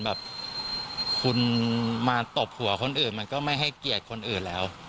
แบบคุณมาตบหัวคนอื่นมันก็ไม่ให้เกียรติคนอื่นแล้ว